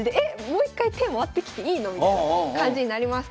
もう一回手回ってきていいの？みたいな感じになります。